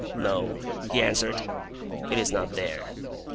"No," he answered. "It is not there."